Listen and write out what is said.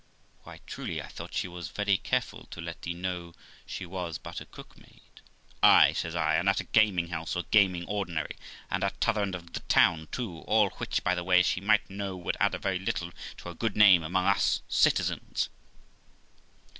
'Why, truly, I thought she was very careful to let thee know she was but a cook maid.' 'Ay', says I, 'and at a gaming house, or garni ng ordinary, and at t'other end of the town too; all which (by the way) she might know would add very little to her good name among us citizens.'